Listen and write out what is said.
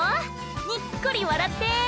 にっこり笑って。